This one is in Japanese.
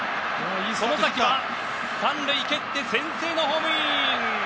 外崎は３塁を蹴って先制のホームイン。